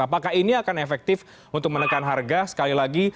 apakah ini akan efektif untuk menekan harga sekali lagi